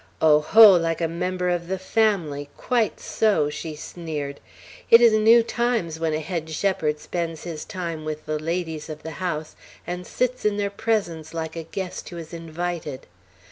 "Oh, ho! like a member of the family; quite so!" she sneered. "It is new times when a head shepherd spends his time with the ladies of the house, and sits in their presence like a guest who is invited!